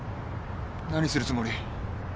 何するつもり？